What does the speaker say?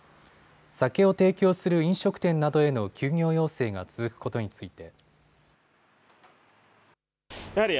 酒を提供する飲食店などへの休業要請が続くことについて。